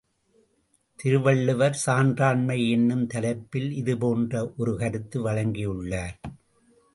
திருவள்ளுவர் சான்றாண்மை என்னும் தலைப்பில் இது போன்ற ஒரு கருத்து வழங்கியுள்ளார்.